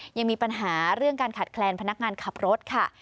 ยังมีปัญหาเรื่องการขาดแคลนพนักงานขับรถค่ะ